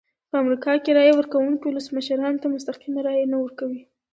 په امریکا کې رایه ورکوونکي ولسمشرانو ته مستقیمه رایه نه ورکوي.